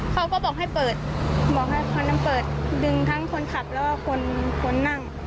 เขาก็บอกให้เปิดบอกให้คนนั้นเปิดดึงทั้งคนขับแล้วก็คนคนนั่ง